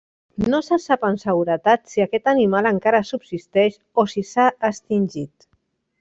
No se sap amb seguretat si aquest animal encara subsisteix o si s'ha extingit.